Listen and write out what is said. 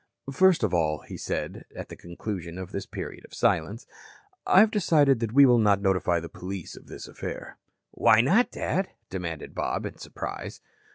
"First of all," he said at the conclusion of this period of silence, "I've decided that we will not notify the police of this affair." "Why not, Dad?" demanded Bob in surprise.